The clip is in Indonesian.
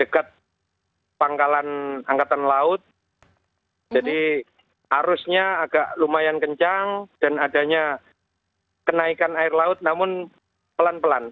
harusnya agak lumayan kencang dan adanya kenaikan air laut namun pelan pelan